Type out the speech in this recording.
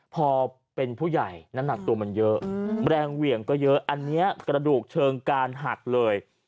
พอเป็นผู้ใหญ่น้ำหนักตัวมันเยอะแรงเหวี่ยงก็เยอะอันนี้กระดูกเชิงการหักเลย